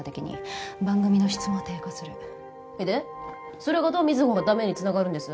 それがどう瑞穂がダメに繋がるんです？